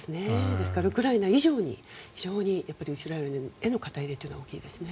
ですから、ウクライナ以上に非常にイスラエルへの肩入れというのは大きいですね。